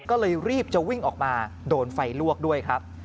ก็เลยรีบจะวิ่งออกมาโดนไฟลวกด้วยครับ